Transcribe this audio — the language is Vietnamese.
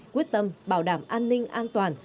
quyết tâm bảo đảm an ninh an toàn